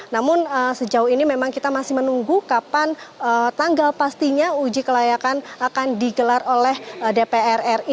namun sejauh ini memang kita masih menunggu kapan tanggal pastinya uji kelayakan akan digelar oleh dpr ri